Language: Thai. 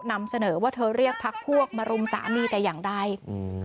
นำเสนอว่าเธอเรียกพักพวกมารุมสามีแต่อย่างใดอืม